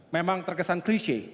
memang terkesan klise